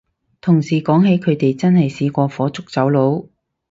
同事講起佢哋真係試過火燭走佬